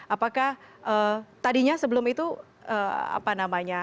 apakah tadinya sebelum itu apa namanya